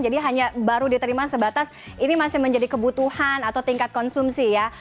jadi hanya baru diterima sebatas ini masih menjadi kebutuhan atau tingkat konsumsi ya